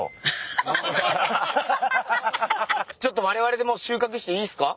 ちょっとわれわれでもう収穫していいっすか？